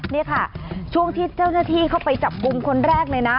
นี่ค่ะช่วงที่เจ้าหน้าที่เข้าไปจับกลุ่มคนแรกเลยนะ